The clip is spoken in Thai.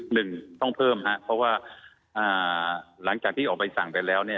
หนึ่งต้องเพิ่มครับเพราะว่าหลังจากที่ออกใบสั่งไปแล้วเนี่ย